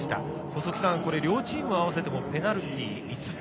細木さん、両チーム合わせてもペナルティー５つ。